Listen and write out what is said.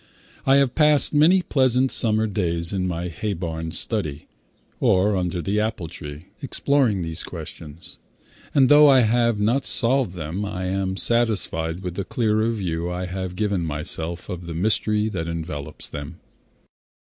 I have passed many pleasant summer days in my hay barn study, or under the apple trees, exploring these questions, and though I have not solved them, I am satisfied with the clearer view I have given myself of the mystery that envelops them.